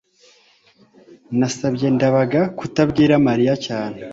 nasabye ndabaga kutabwira mariya cyane